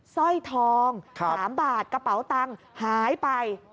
สร้อยทอง๓บาทกระเป๋าตังค์หายไป